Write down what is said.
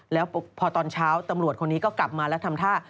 แล้วพอตอนเช้าตำรวจคนนี้ก็กลับมาแล้วทำท่า